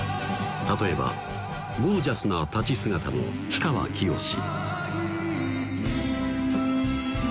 例えばゴージャスな立ち姿の氷川きよし